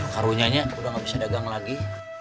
karunianya udah nggak bisa dagang lagi